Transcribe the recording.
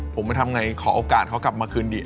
ผมไปทำไงขอโอกาสเขากลับมาคืนดี